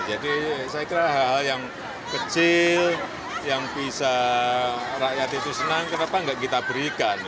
jadi saya kira hal hal yang kecil yang bisa rakyat itu senang kenapa nggak kita berikan